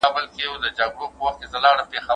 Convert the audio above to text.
کېدای سي ليک اوږد وي!!